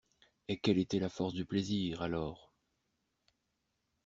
Et quelle était la force du plaisir, alors!